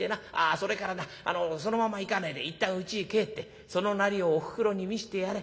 それからなそのまま行かねえでいったんうちへ帰ってそのなりをおふくろに見してやれ。